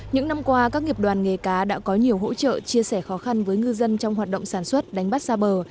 những năm qua các nghiệp đoàn nghề cá đã có nhiều hỗ trợ chia sẻ khó khăn với ngư dân trong hoạt động sản xuất đánh bắt xa bờ